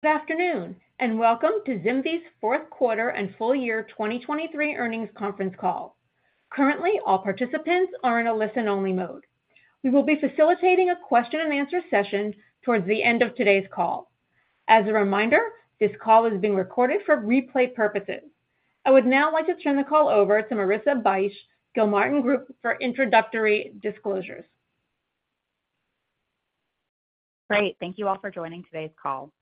Good afternoon, and welcome to ZimVie's fourth quarter and full year 2023 earnings conference call. Currently, all participants are in a listen-only mode. We will be facilitating a question and answer session towards the end of today's call. As a reminder, this call is being recorded for replay purposes. I would now like to turn the call over to Marissa Bych, Gilmartin Group, for introductory disclosures. Great, thank you all for joining today's call.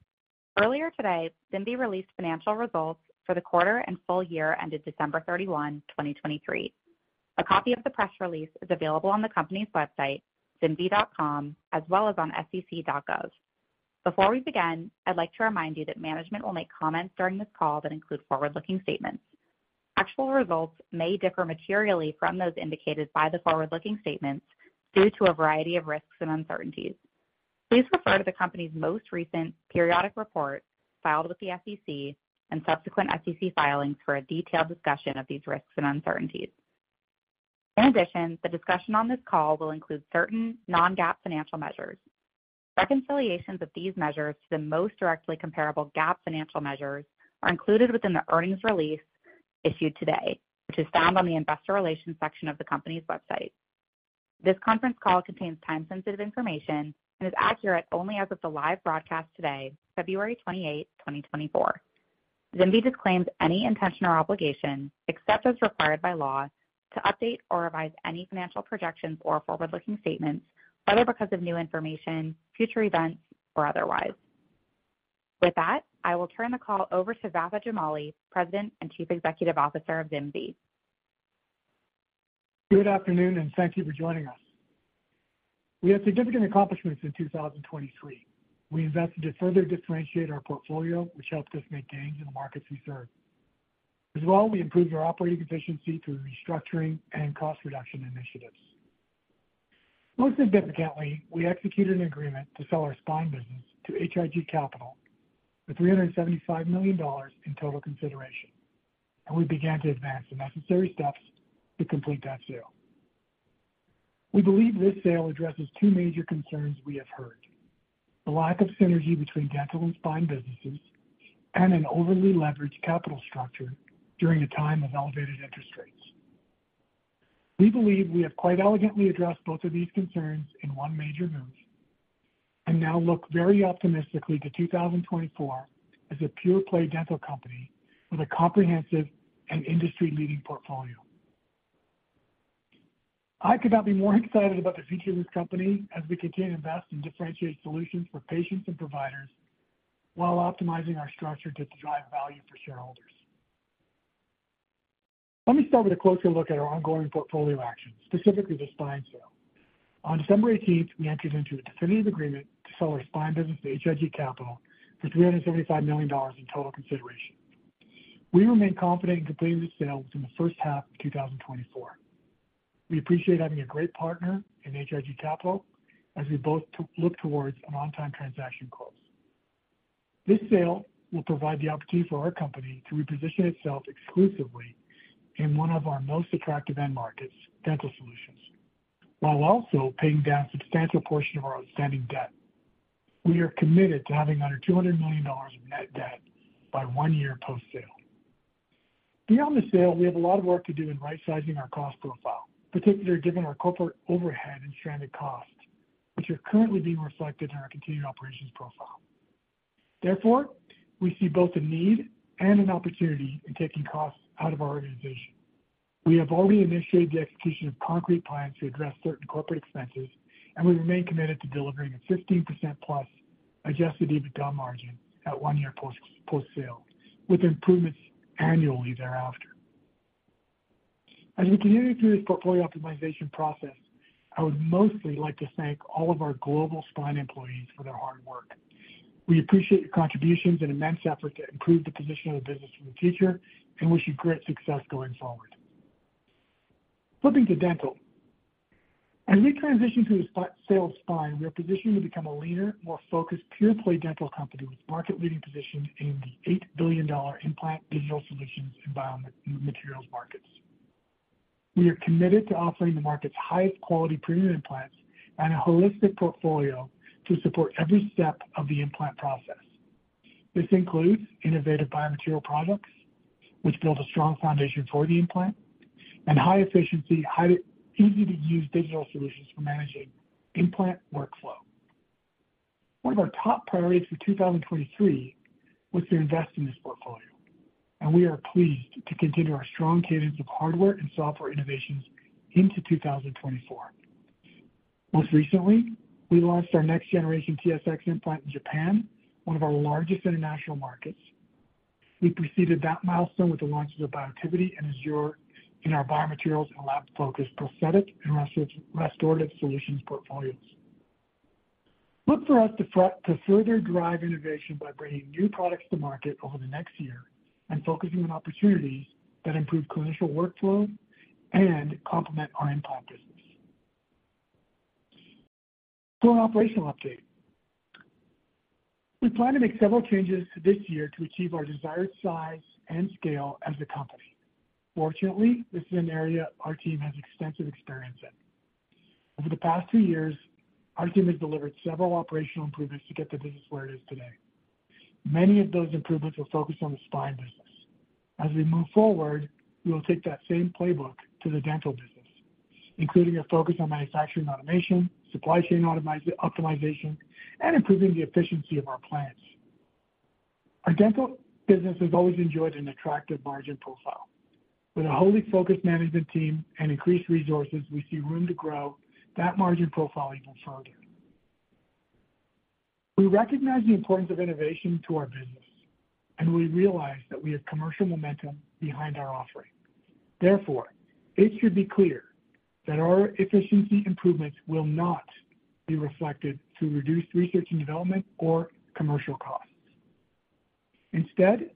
Earlier today, ZimVie released financial results for the quarter and full year ended December 31, 2023. A copy of the press release is available on the company's website, zimvie.com, as well as on sec.gov. Before we begin, I'd like to remind you that management will make comments during this call that include forward-looking statements. Actual results may differ materially from those indicated by the forward-looking statements due to a variety of risks and uncertainties. Please refer to the company's most recent periodic report filed with the SEC and subsequent SEC filings for a detailed discussion of these risks and uncertainties. In addition, the discussion on this call will include certain non-GAAP financial measures. Reconciliations of these measures to the most directly comparable GAAP financial measures are included within the earnings release issued today, which is found on the Investor Relations section of the company's website. This conference call contains time-sensitive information and is accurate only as of the live broadcast today, February 28, 2024. ZimVie disclaims any intention or obligation, except as required by law, to update or revise any financial projections or forward-looking statements, whether because of new information, future events, or otherwise. With that, I will turn the call over to Vafa Jamali, President and Chief Executive Officer of ZimVie. Good afternoon, and thank you for joining us. We had significant accomplishments in 2023. We invested to further differentiate our portfolio, which helped us make gains in the markets we serve. As well, we improved our operating efficiency through restructuring and cost reduction initiatives. Most significantly, we executed an agreement to sell our spine business to H.I.G. Capital for $375 million in total consideration, and we began to advance the necessary steps to complete that sale. We believe this sale addresses two major concerns we have heard: the lack of synergy between dental and spine businesses and an overly leveraged capital structure during a time of elevated interest rates. We believe we have quite elegantly addressed both of these concerns in one major move and now look very optimistically to 2024 as a pure-play dental company with a comprehensive and industry-leading portfolio. I could not be more excited about the future of this company as we continue to invest in differentiated solutions for patients and providers while optimizing our structure to drive value for shareholders. Let me start with a closer look at our ongoing portfolio actions, specifically the spine sale. On December eighteenth, we entered into a definitive agreement to sell our spine business to H.I.G. Capital for $375 million in total consideration. We remain confident in completing this sale within the first half of 2024. We appreciate having a great partner in H.I.G. Capital as we both look towards an on-time transaction close. This sale will provide the opportunity for our company to reposition itself exclusively in one of our most attractive end markets, dental solutions, while also paying down a substantial portion of our outstanding debt. We are committed to having under $200 million of net debt by one year post-sale. Beyond the sale, we have a lot of work to do in right-sizing our cost profile, particularly given our corporate overhead and stranded costs, which are currently being reflected in our continuing operations profile. Therefore, we see both a need and an opportunity in taking costs out of our organization. We have already initiated the execution of concrete plans to address certain corporate expenses, and we remain committed to delivering a 15%+ adjusted EBITDA margin at one year post-sale, with improvements annually thereafter. As we continue through this portfolio optimization process, I would mostly like to thank all of our global spine employees for their hard work. We appreciate your contributions and immense effort to improve the position of the business in the future and wish you great success going forward. Flipping to dental. As we transition to the sale of spine, we are positioned to become a leaner, more focused, pure-play dental company with market-leading position in the $8 billion implant, digital solutions, and biomaterials markets. We are committed to offering the market's highest quality premium implants and a holistic portfolio to support every step of the implant process. This includes innovative biomaterial products, which build a strong foundation for the implant, and high efficiency, easy-to-use digital solutions for managing implant workflow. One of our top priorities for 2023 was to invest in this portfolio, and we are pleased to continue our strong cadence of hardware and software innovations into 2024. Most recently, we launched our next generation TSX implant in Japan, one of our largest international markets. We preceded that milestone with the launches of Biotivity and Azure in our biomaterials and lab-focused prosthetic and restorative solutions portfolios. Look for us to further drive innovation by bringing new products to market over the next year and focusing on opportunities that improve clinician workflows and complement our implant business. To an operational update. We plan to make several changes this year to achieve our desired size and scale as a company. Fortunately, this is an area our team has extensive experience in. Over the past two years, our team has delivered several operational improvements to get the business where it is today. Many of those improvements were focused on the spine business. As we move forward, we will take that same playbook to the dental business, including a focus on manufacturing automation, supply chain optimization, and improving the efficiency of our plants. Our dental business has always enjoyed an attractive margin profile. With a wholly focused management team and increased resources, we see room to grow that margin profile even further. We recognize the importance of innovation to our business, and we realize that we have commercial momentum behind our offering. Therefore, it should be clear that our efficiency improvements will not be reflected to reduce research and development or commercial costs. Instead,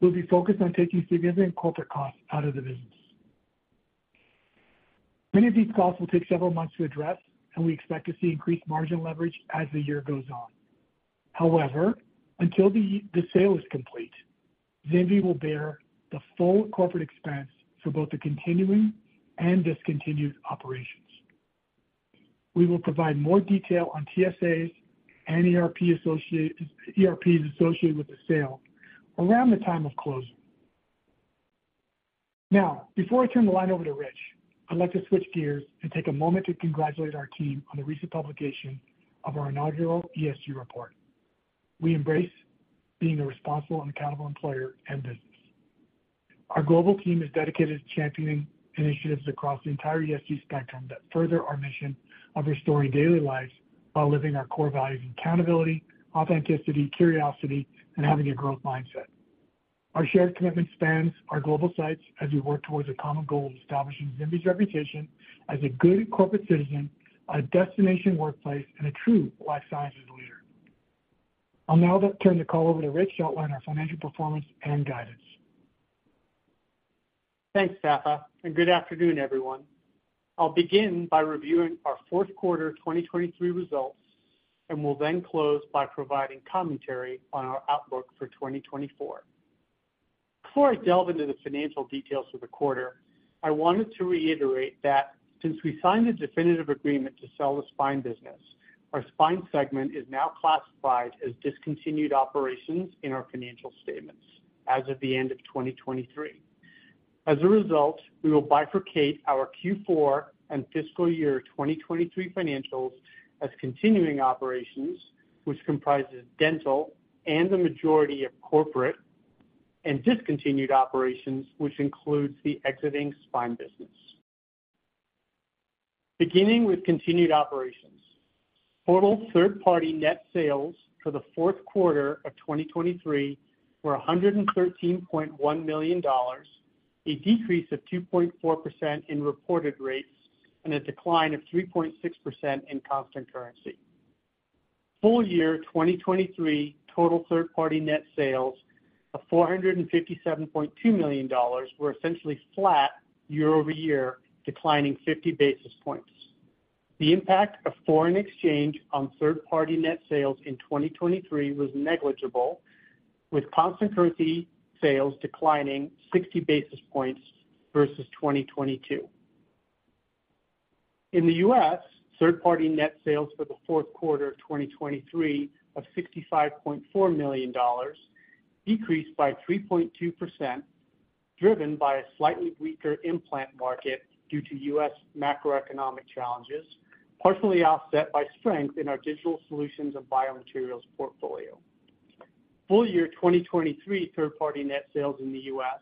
we'll be focused on taking significant corporate costs out of the business. Many of these costs will take several months to address, and we expect to see increased margin leverage as the year goes on. However, until the sale is complete, ZimVie will bear the full corporate expense for both the continuing and discontinued operations. We will provide more detail on TSAs and ERPs associated with the sale around the time of closing. Now, before I turn the line over to Rich, I'd like to switch gears and take a moment to congratulate our team on the recent publication of our inaugural ESG report. We embrace being a responsible and accountable employer and business. Our global team is dedicated to championing initiatives across the entire ESG spectrum that further our mission of restoring daily lives while living our core values of accountability, authenticity, curiosity, and having a growth mindset. Our shared commitment spans our global sites as we work towards a common goal of establishing ZimVie's reputation as a good corporate citizen, a destination workplace, and a true life sciences leader. I'll now turn the call over to Rich to outline our financial performance and guidance. Thanks, Vafa, and good afternoon, everyone. I'll begin by reviewing our fourth quarter 2023 results, and will then close by providing commentary on our outlook for 2024. Before I delve into the financial details for the quarter, I wanted to reiterate that since we signed a definitive agreement to sell the spine business, our spine segment is now classified as discontinued operations in our financial statements as of the end of 2023. As a result, we will bifurcate our Q4 and fiscal year 2023 financials as continuing operations, which comprises dental and the majority of corporate and discontinued operations, which includes the exiting spine business. Beginning with continuing operations, total third-party net sales for the fourth quarter of 2023 were $113.1 million, a decrease of 2.4% in reported rates and a decline of 3.6% in constant currency. Full year 2023, total third-party net sales of $457.2 million were essentially flat year-over-year, declining 50 basis points. The impact of foreign exchange on third-party net sales in 2023 was negligible, with constant currency sales declining 60 basis points versus 2022. In the U.S., third-party net sales for the fourth quarter of 2023 of $65.4 million decreased by 3.2%, driven by a slightly weaker implant market due to U.S. macroeconomic challenges, partially offset by strength in our digital solutions and biomaterials portfolio. Full year 2023, third-party net sales in the U.S.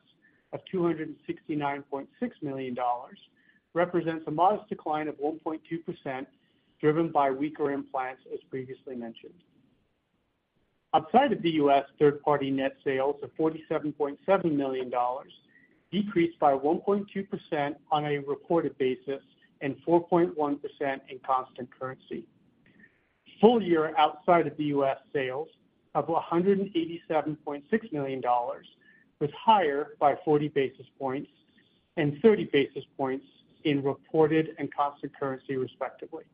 of $269.6 million represents a modest decline of 1.2%, driven by weaker implants, as previously mentioned. Outside of the U.S., third-party net sales of $47.7 million decreased by 1.2% on a reported basis and 4.1% in constant currency. Full year outside of the U.S., sales of $187.6 million was higher by 40 basis points and 30 basis points in reported and constant currency, respectively.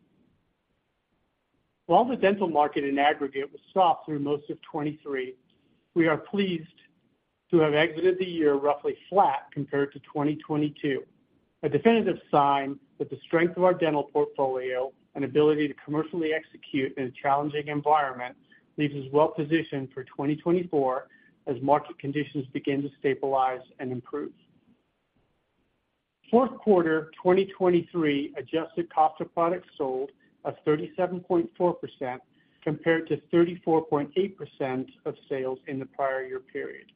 While the dental market in aggregate was soft through most of 2023, we are pleased to have exited the year roughly flat compared to 2022, a definitive sign that the strength of our dental portfolio and ability to commercially execute in a challenging environment leaves us well positioned for 2024 as market conditions begin to stabilize and improve. Fourth quarter 2023 adjusted cost of products sold of 37.4% compared to 34.8% of sales in the prior year period.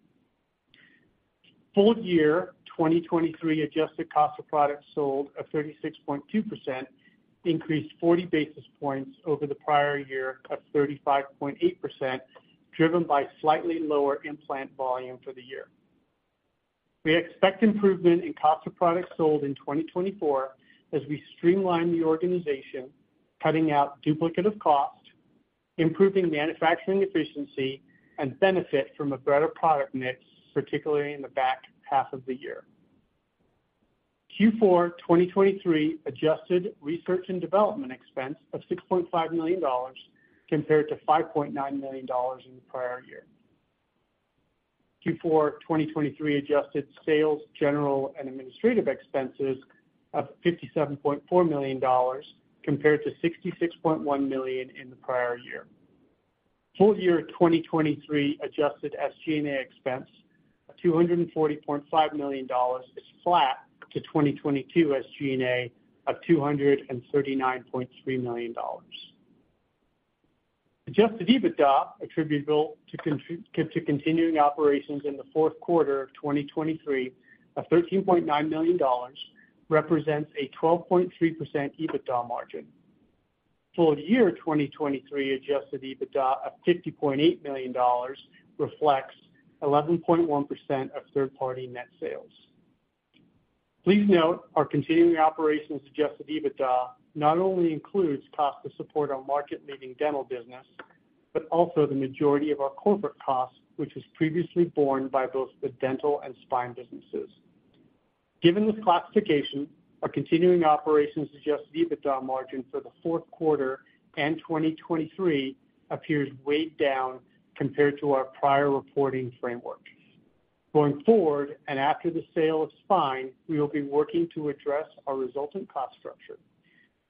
Full year 2023 adjusted cost of products sold of 36.2% increased 40 basis points over the prior year of 35.8%, driven by slightly lower implant volume for the year. We expect improvement in cost of products sold in 2024 as we streamline the organization, cutting out duplicative costs, improving manufacturing efficiency, and benefit from a better product mix, particularly in the back half of the year. Q4 2023 adjusted research and development expense of $6.5 million compared to $5.9 million in the prior year. Q4 2023 adjusted sales, general, and administrative expenses of $57.4 million, compared to $66.1 million in the prior year. Full year 2023 adjusted SG&A expense of $240.5 million is flat to 2022 SG&A of $239.3 million. Adjusted EBITDA attributable to continuing operations in the fourth quarter of 2023 of $13.9 million represents a 12.3% EBITDA margin. Full year 2023 adjusted EBITDA of $50.8 million reflects 11.1% of third-party net sales. Please note, our continuing operations adjusted EBITDA not only includes costs to support our market-leading dental business, but also the majority of our corporate costs, which was previously borne by both the dental and spine businesses. Given this classification, our continuing operations adjusted EBITDA margin for the fourth quarter and 2023 appears weighed down compared to our prior reporting framework. Going forward, and after the sale of spine, we will be working to address our resultant cost structure.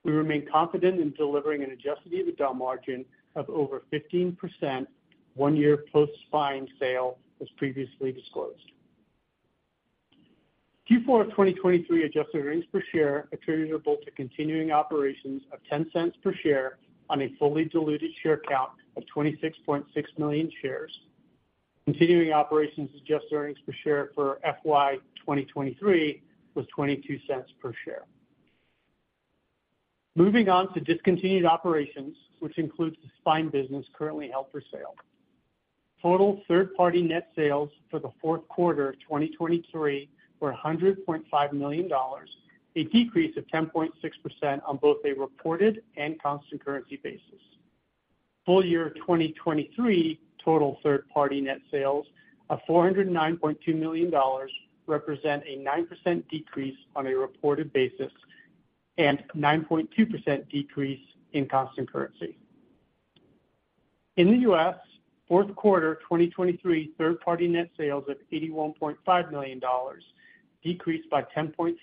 We remain confident in delivering an adjusted EBITDA margin of over 15% one year post-spine sale, as previously disclosed. Q4 of 2023 adjusted earnings per share attributable to continuing operations of $0.10 per share on a fully diluted share count of 26.6 million shares. Continuing Operations adjusted earnings per share for FY 2023 was $0.22 per share. Moving on to discontinued operations, which includes the spine business currently held for sale. Total third-party net sales for the fourth quarter 2023 were $100.5 million, a decrease of 10.6% on both a reported and constant currency basis. Full year 2023, total third-party net sales of $409.2 million represent a 9% decrease on a reported basis and 9.2% decrease in constant currency. In the U.S., fourth quarter 2023, third-party net sales of $81.5 million decreased by 10.3%,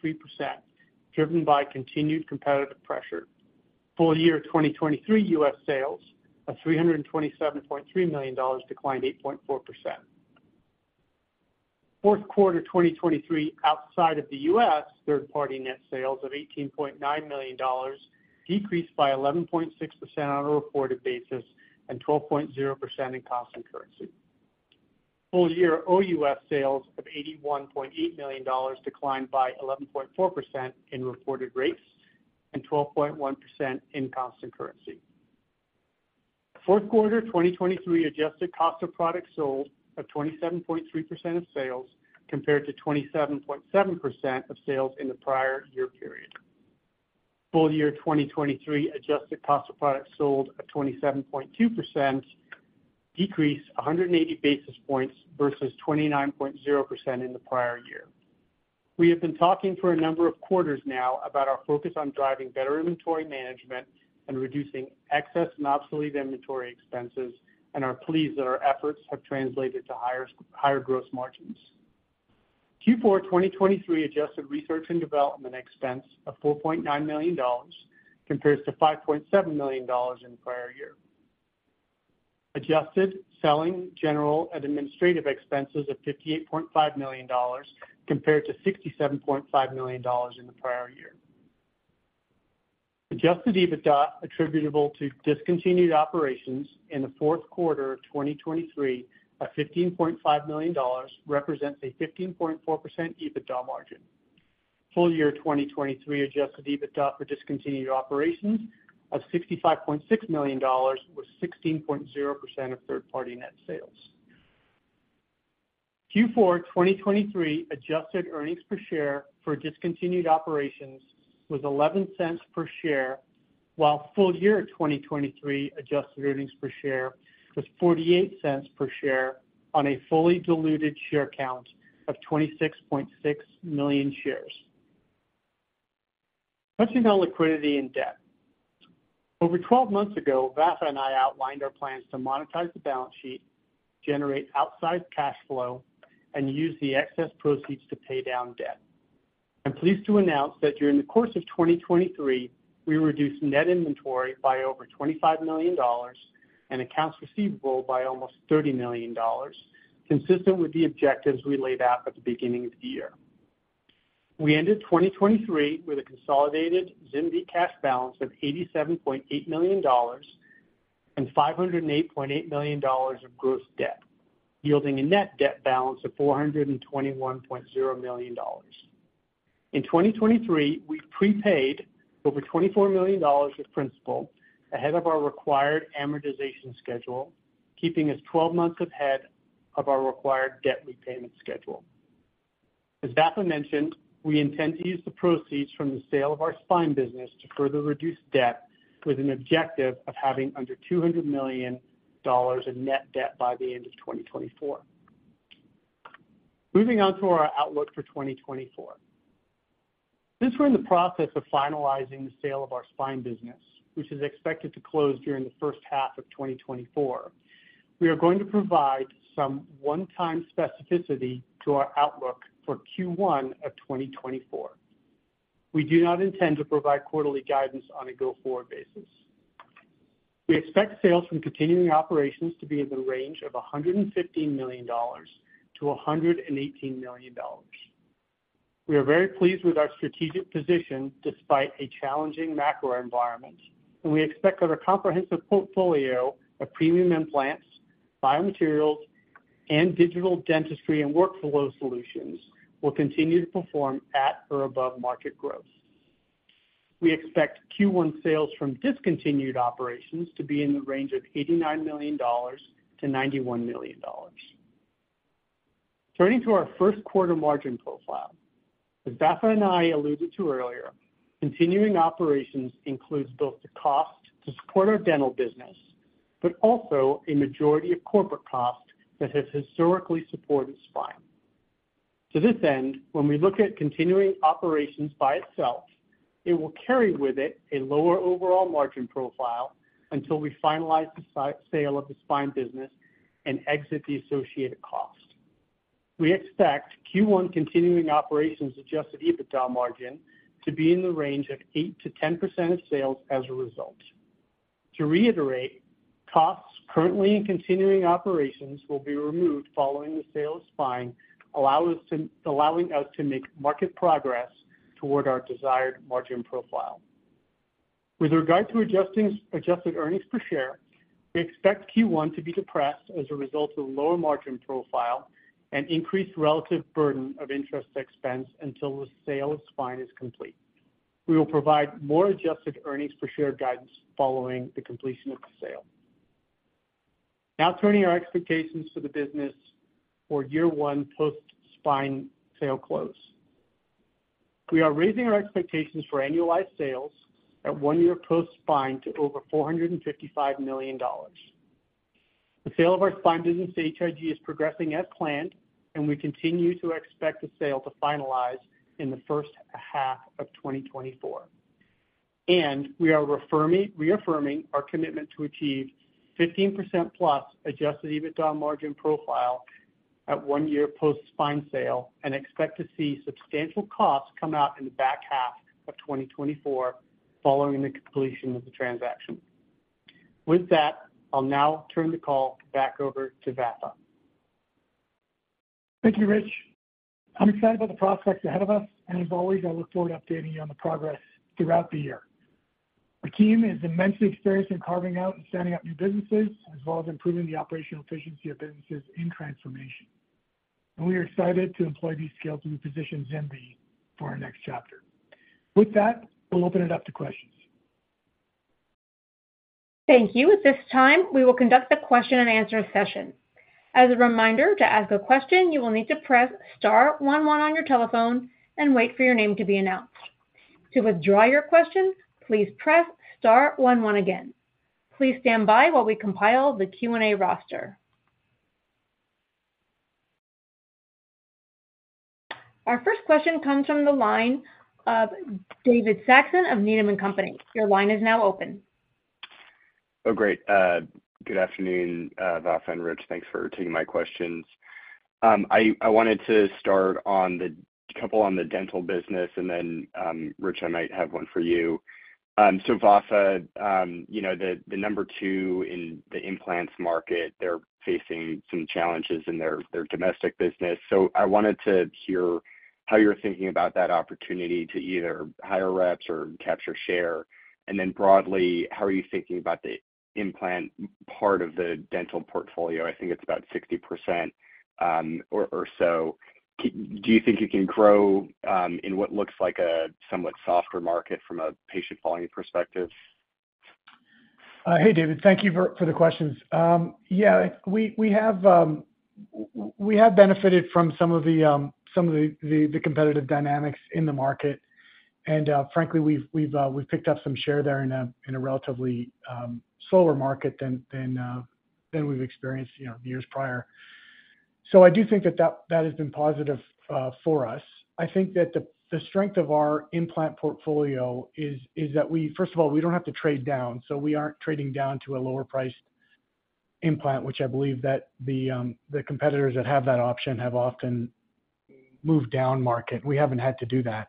driven by continued competitive pressure. Full year 2023 U.S. sales of $327.3 million declined 8.4%. Fourth quarter 2023, outside of the U.S., third-party net sales of $18.9 million decreased by 11.6% on a reported basis and 12.0% in constant currency. Full year OUS sales of $81.8 million declined by 11.4% in reported rates and 12.1% in constant currency. Fourth quarter 2023 adjusted cost of products sold of 27.3% of sales, compared to 27.7% of sales in the prior year period. Full year 2023 adjusted cost of products sold at 27.2%, decreased 180 basis points versus 29.0% in the prior year. We have been talking for a number of quarters now about our focus on driving better inventory management and reducing excess and obsolete inventory expenses, and are pleased that our efforts have translated to higher, higher gross margins. Q4 2023 adjusted research and development expense of $4.9 million compares to $5.7 million in the prior year. Adjusted selling, general, and administrative expenses of $58.5 million compared to $67.5 million in the prior year. Adjusted EBITDA attributable to discontinued operations in the fourth quarter of 2023, of $15.5 million, represents a 15.4% EBITDA margin. Full year 2023 adjusted EBITDA for discontinued operations of $65.6 million, was 16.0% of third-party net sales. Q4 2023 adjusted earnings per share for discontinued operations was $0.11 per share, while full-year 2023 adjusted earnings per share was $0.48 per share on a fully diluted share count of 26.6 million shares. Touching on liquidity and debt. Over 12 months ago, Vafa and I outlined our plans to monetize the balance sheet, generate outside cash flow, and use the excess proceeds to pay down debt. I'm pleased to announce that during the course of 2023, we reduced net inventory by over $25 million and accounts receivable by almost $30 million, consistent with the objectives we laid out at the beginning of the year. We ended 2023 with a consolidated ZimVie cash balance of $87.8 million and $508.8 million of gross debt, yielding a net debt balance of $421.0 million. In 2023, we've prepaid over $24 million of principal ahead of our required amortization schedule, keeping us 12 months ahead of our required debt repayment schedule. As Vafa mentioned, we intend to use the proceeds from the sale of our spine business to further reduce debt, with an objective of having under $200 million in net debt by the end of 2024. Moving on to our outlook for 2024. Since we're in the process of finalizing the sale of our spine business, which is expected to close during the first half of 2024, we are going to provide some one-time specificity to our outlook for Q1 of 2024. We do not intend to provide quarterly guidance on a go-forward basis. We expect sales from continuing operations to be in the range of $115 million-$118 million. We are very pleased with our strategic position despite a challenging macro environment, and we expect that our comprehensive portfolio of premium implants, biomaterials, and digital dentistry and workflow solutions will continue to perform at or above market growth. We expect Q1 sales from discontinued operations to be in the range of $89 million-$91 million. Turning to our first quarter margin profile, as Vafa and I alluded to earlier, continuing operations includes both the cost to support our dental business, but also a majority of corporate costs that has historically supported spine. To this end, when we look at continuing operations by itself, it will carry with it a lower overall margin profile until we finalize the sale of the spine business and exit the associated cost. We expect Q1 continuing operations Adjusted EBITDA margin to be in the range of 8%-10% of sales as a result. To reiterate, costs currently in continuing operations will be removed following the sale of spine, allowing us to make market progress toward our desired margin profile. With regard to adjusted earnings per share, we expect Q1 to be depressed as a result of lower margin profile and increased relative burden of interest expense until the sale of spine is complete. We will provide more adjusted earnings per share guidance following the completion of the sale. Now turning our expectations to the business for year 1 post spine sale close. We are raising our expectations for annualized sales at 1 year post spine to over $455 million. The sale of our spine business to H.I.G. is progressing as planned, and we continue to expect the sale to finalize in the first half of 2024. We are reaffirming our commitment to achieve 15%+ Adjusted EBITDA margin profile at one year post spine sale and expect to see substantial costs come out in the back half of 2024 following the completion of the transaction. With that, I'll now turn the call back over to Vafa. Thank you, Rich. I'm excited about the prospects ahead of us, and as always, I look forward to updating you on the progress throughout the year. Our team is immensely experienced in carving out and standing up new businesses, as well as improving the operational efficiency of businesses in transformation. We are excited to employ these skills as we position ZimVie for our next chapter. With that, we'll open it up to questions. Thank you. At this time, we will conduct the question and answer session. As a reminder, to ask a question, you will need to press star one one on your telephone and wait for your name to be announced. To withdraw your question, please press star one one again. Please stand by while we compile the Q&A roster. Our first question comes from the line of David Saxon of Needham & Company. Your line is now open. Oh, great. Good afternoon, Vafa and Rich, thanks for taking my questions. I wanted to start on a couple on the dental business, and then, Rich, I might have one for you. So Vafa, you know, the number two in the implants market, they're facing some challenges in their domestic business. So I wanted to hear how you're thinking about that opportunity to either hire reps or capture share. And then broadly, how are you thinking about the implant part of the dental portfolio? I think it's about 60%, or so. Do you think it can grow, in what looks like a somewhat softer market from a patient volume perspective? Hey, David, thank you for the questions. Yeah, we have benefited from some of the competitive dynamics in the market. And frankly, we've picked up some share there in a relatively slower market than we've experienced, you know, years prior. So I do think that has been positive for us. I think that the strength of our implant portfolio is that we, first of all, don't have to trade down, so we aren't trading down to a lower priced implant, which I believe that the competitors that have that option have often moved down market. We haven't had to do that.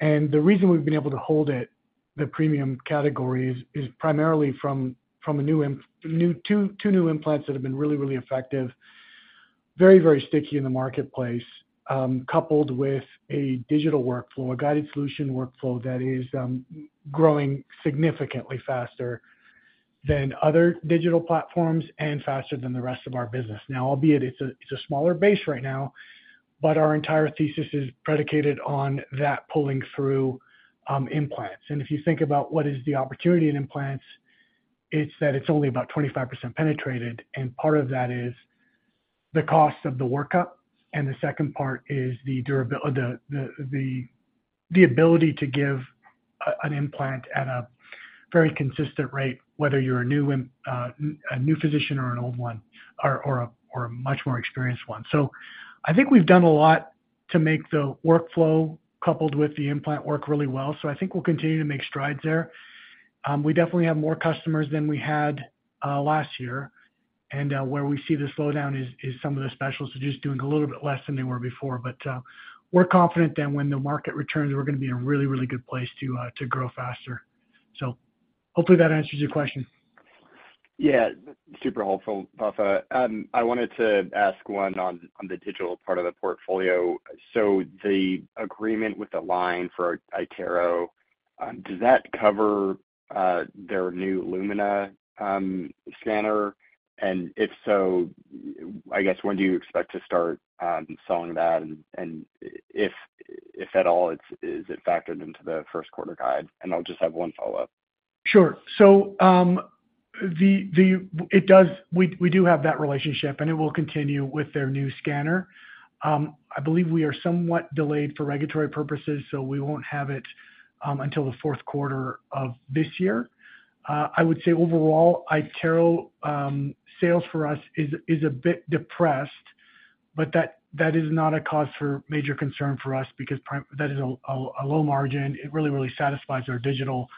And the reason we've been able to hold it, the premium category, is primarily from two new implants that have been really, really effective, very, very sticky in the marketplace, coupled with a digital workflow, a guided solution workflow that is growing significantly faster than other digital platforms and faster than the rest of our business. Now, albeit it's a smaller base right now, but our entire thesis is predicated on that pulling through implants. And if you think about what is the opportunity in implants, it's that it's only about 25% penetrated, and part of that is the cost of the workup, and the second part is the durability, the ability to give an implant at a very consistent rate, whether you're a new physician or an old one, or a much more experienced one. So I think we've done a lot to make the workflow, coupled with the implant, work really well. So I think we'll continue to make strides there. We definitely have more customers than we had last year, and where we see the slowdown is some of the specialists are just doing a little bit less than they were before. But we're confident that when the market returns, we're gonna be in a really, really good place to grow faster. So hopefully that answers your question. Yeah, super helpful, Vafa. I wanted to ask one on the digital part of the portfolio. So the agreement with Align for iTero, does that cover their new Lumina scanner? And if so, I guess, when do you expect to start selling that? And if at all, is it factored into the first quarter guide? And I'll just have one follow-up. Sure. So, we do have that relationship, and it will continue with their new scanner. I believe we are somewhat delayed for regulatory purposes, so we won't have it until the fourth quarter of this year. I would say overall, iTero sales for us is a bit depressed, but that is not a cause for major concern for us because that is a low margin. It really satisfies our digital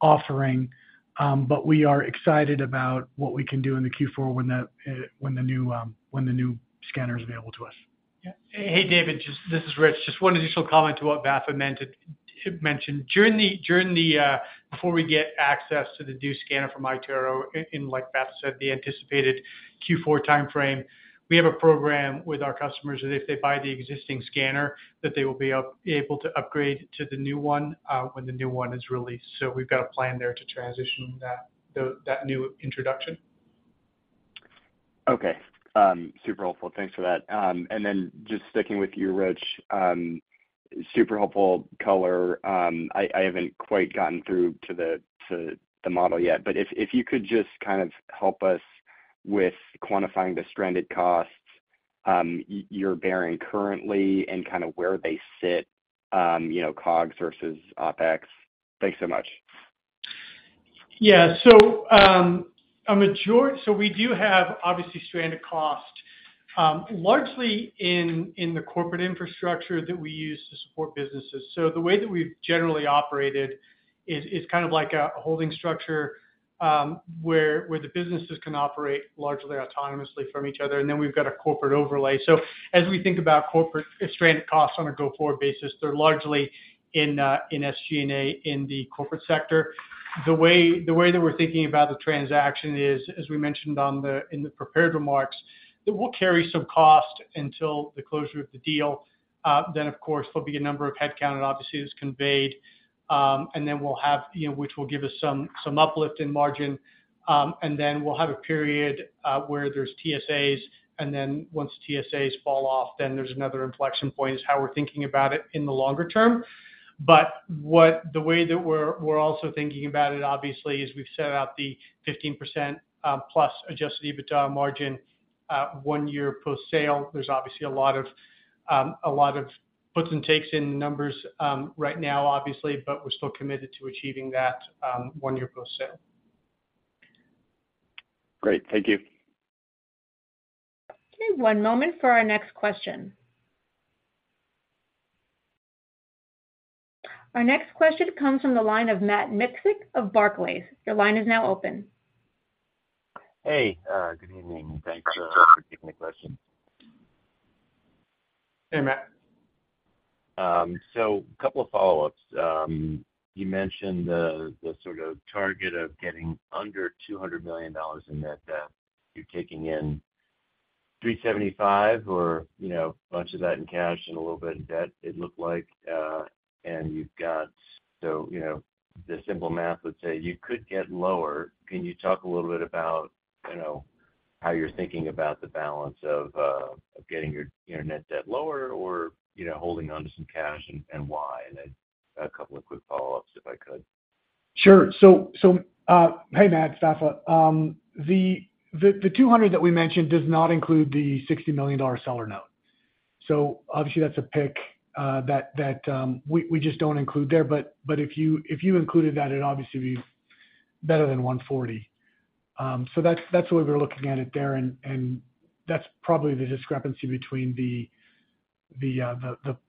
offering. But we are excited about what we can do in the Q4 when the new scanner is available to us. Yeah. Hey, David, just—this is Rich. Just one additional comment to what Vafa mentioned. During the, before we get access to the new scanner from iTero, like Vafa said, the anticipated Q4 timeframe, we have a program with our customers that if they buy the existing scanner, that they will be able to upgrade to the new one, when the new one is released. So we've got a plan there to transition that new introduction. Okay, super helpful. Thanks for that. And then just sticking with you, Rich, super helpful color. I haven't quite gotten through to the model yet. But if you could just kind of help us with quantifying the stranded costs you're bearing currently and kind of where they sit, you know, COGS versus OpEx. Thanks so much. Yeah. So, we do have, obviously, stranded costs, largely in the corporate infrastructure that we use to support businesses. So the way that we've generally operated is kind of like a holding structure, where the businesses can operate largely autonomously from each other, and then we've got a corporate overlay. So as we think about corporate stranded costs on a go-forward basis, they're largely in SG&A in the corporate sector. The way that we're thinking about the transaction is, as we mentioned in the prepared remarks, that we'll carry some cost until the closure of the deal. Then, of course, there'll be a number of headcount, and obviously, it was conveyed, and then we'll have, you know, which will give us some uplift in margin. And then we'll have a period where there's TSAs, and then once TSAs fall off, then there's another inflection point is how we're thinking about it in the longer term. But what, the way that we're, we're also thinking about it, obviously, is we've set out the 15%+ Adjusted EBITDA margin one year post-sale. There's obviously a lot of a lot of puts and takes in numbers right now, obviously, but we're still committed to achieving that one year post-sale. Great. Thank you. Okay, one moment for our next question. Our next question comes from the line of Matt Miksic of Barclays. Your line is now open. Hey, good evening. Thanks, for taking the question. Hey, Matt. So a couple of follow-ups. You mentioned the sort of target of getting under $200 million in net debt. You're taking in $375 million or, you know, a bunch of that in cash and a little bit in debt, it looked like, and you've got... So, you know, the simple math would say you could get lower. Can you talk a little bit about, you know, how you're thinking about the balance of getting your net debt lower or, you know, holding onto some cash and why? And then a couple of quick follow-ups, if I could. Sure. Hey, Matt, it's Vafa. The 200 that we mentioned does not include the $60 million seller note. So obviously, that's a pickup we just don't include there. But if you included that, it'd obviously be better than 140. So that's the way we're looking at it there, and that's probably the discrepancy between the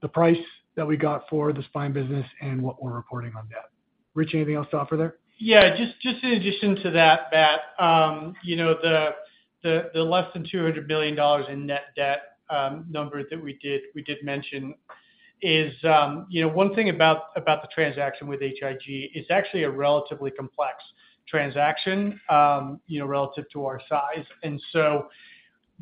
price that we got for the spine business and what we're reporting on debt. Rich, anything else to offer there? Yeah, just in addition to that, Matt, you know, the less than $200 million in net debt number that we did mention is, you know, one thing about the transaction with HIG. It's actually a relatively complex transaction, you know, relative to our size. And so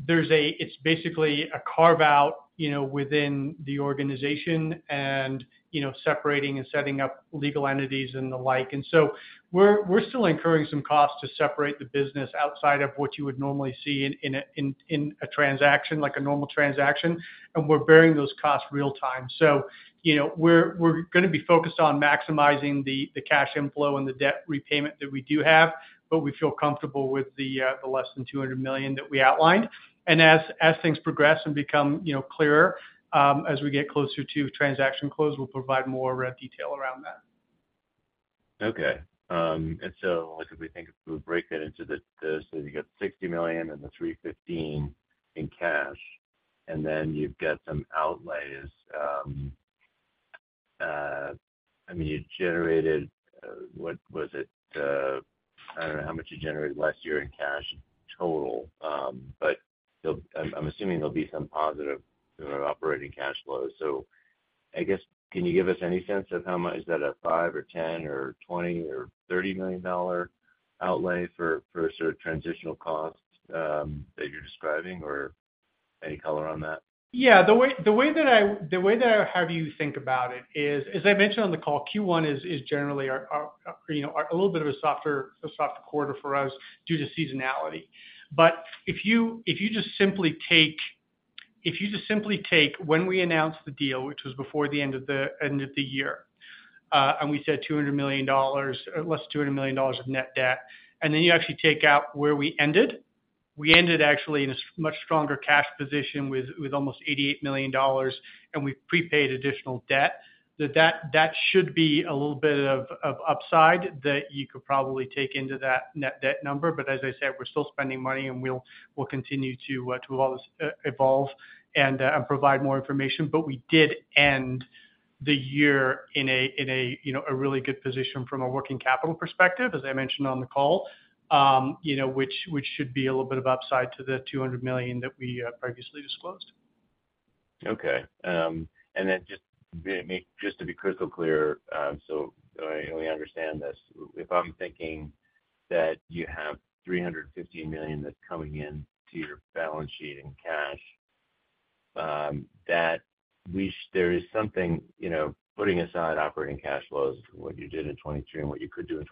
there's a—it's basically a carve-out, you know, within the organization and, you know, separating and setting up legal entities and the like. And so we're still incurring some costs to separate the business outside of what you would normally see in a transaction, like a normal transaction, and we're bearing those costs real time. So, you know, we're gonna be focused on maximizing the cash inflow and the debt repayment that we do have, but we feel comfortable with the less than $200 million that we outlined. As things progress and become, you know, clearer, as we get closer to transaction close, we'll provide more detail around that. Okay. And so like if we think, if we break that into the, the so you get $60 million and the $315 million in cash, and then you've got some outlays, I mean, you generated, what was it? I don't know how much you generated last year in cash total, but they'll-- I'm, I'm assuming there'll be some positive, you know, operating cash flows. So I guess, can you give us any sense of how much is that a $5 or $10 or $20 or $30 million outlay for, for sort of transitional costs, that you're describing, or any color on that? Yeah. The way that I have you think about it is, as I mentioned on the call, Q1 is generally our, you know, a little bit of a softer quarter for us due to seasonality. But if you just simply take when we announced the deal, which was before the end of the year, and we said $200 million, less $200 million of net debt, and then you actually take out where we ended, we ended actually in a much stronger cash position with almost $88 million, and we prepaid additional debt. That should be a little bit of upside that you could probably take into that net debt number. But as I said, we're still spending money, and we'll continue to evolve and provide more information. But we did end the year in a you know a really good position from a working capital perspective, as I mentioned on the call, you know, which should be a little bit of upside to the $200 million that we previously disclosed. Okay. And then just to be crystal clear, so we understand this. If I'm thinking that you have $350 million that's coming in to your balance sheet in cash, that there is something, you know, putting aside operating cash flows from what you did in 2022 and what you could do in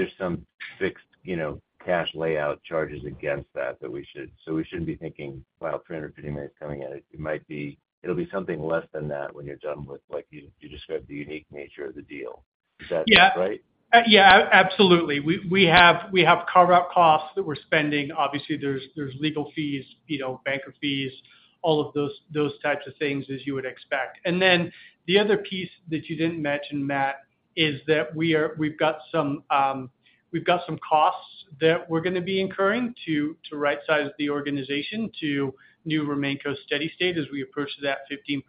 2024, but there's some fixed, you know, cash layout charges against that, that we should... So we shouldn't be thinking, well, $350 million is coming in. It might be it'll be something less than that when you're done with, like, you described the unique nature of the deal. Is that right? Yeah, absolutely. We have carve-out costs that we're spending. Obviously, there's legal fees, you know, banker fees, all of those types of things, as you would expect. And then the other piece that you didn't mention, Matt, is that we are—we've got some costs that we're gonna be incurring to rightsize the organization to new remaining standalone steady state as we approach that 15%+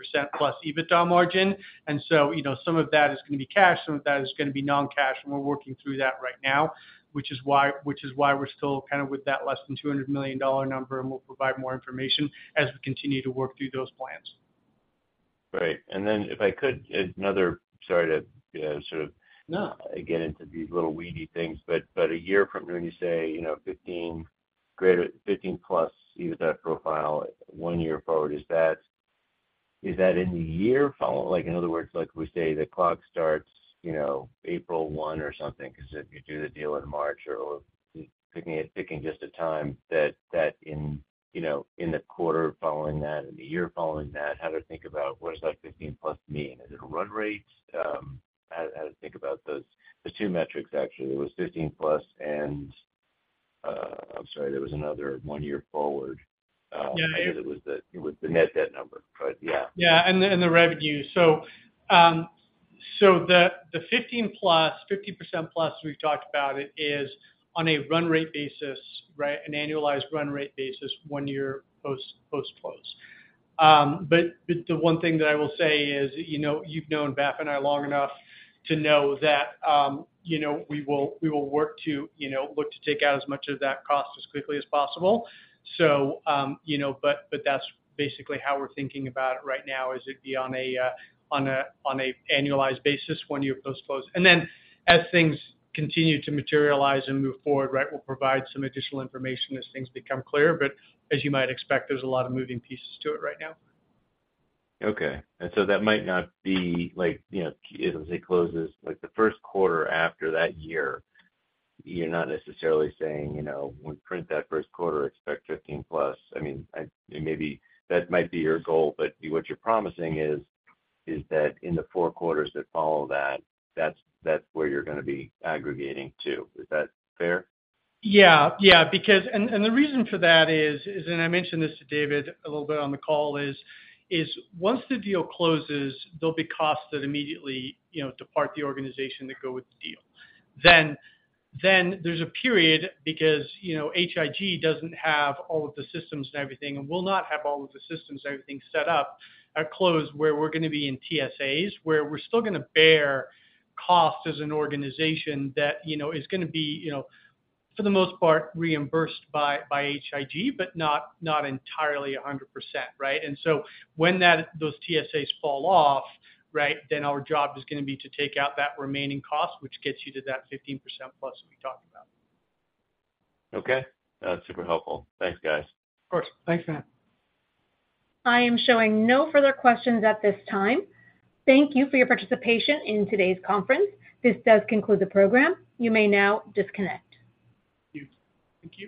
EBITDA margin. And so, you know, some of that is gonna be cash, some of that is gonna be non-cash, and we're working through that right now, which is why we're still kind of with that less than $200 million number, and we'll provide more information as we continue to work through those plans. Right. And then if I could, another... Sorry to, sort of- No Again, into these little weedy things, but a year from when you say, you know, 15 greater—15+ EBITDA profile one year forward, is that, is that in the year follow? Like, in other words, like, we say the clock starts, you know, April 1 or something, because if you do the deal in March or picking just a time that in, you know, in the quarter following that, in the year following that, how to think about what does that 15+ mean? Is it a run rate? How to think about those. There's two metrics, actually. There was 15+ and, I'm sorry, there was another one year forward. Yeah. I hear that it was the net debt number, but yeah. Yeah, and the revenue. So, the 15+, 50%+ we've talked about, is on a run rate basis, right, an annualized run rate basis, one year post-close. But the one thing that I will say is, you know, you've known Vafa and I long enough to know that, you know, we will work to, you know, look to take out as much of that cost as quickly as possible. So, you know, but that's basically how we're thinking about it right now, is it'd be on a annualized basis one year post-close. And then as things continue to materialize and move forward, right, we'll provide some additional information as things become clear. But as you might expect, there's a lot of moving pieces to it right now. Okay. And so that might not be like, you know, it closes, like the first quarter after that year, you're not necessarily saying, you know, when print that first quarter, expect 15+. I mean, maybe that might be your goal, but what you're promising is, is that in the four quarters that follow that, that's, that's where you're gonna be aggregating to. Is that fair? Yeah. Yeah, because the reason for that is, and I mentioned this to David a little bit on the call, is once the deal closes, there'll be costs that immediately, you know, depart the organization that go with the deal. Then there's a period because, you know, H.I.G. doesn't have all of the systems and everything, and will not have all of the systems and everything set up at close, where we're gonna be in TSAs, where we're still gonna bear costs as an organization that, you know, is gonna be, you know, for the most part, reimbursed by H.I.G., but not entirely 100%, right? And so when those TSAs fall off, right, then our job is gonna be to take out that remaining cost, which gets you to that 15%+ we talked about. Okay. That's super helpful. Thanks, guys. Of course. Thanks, Matt. I am showing no further questions at this time. Thank you for your participation in today's conference. This does conclude the program. You may now disconnect. Thank you.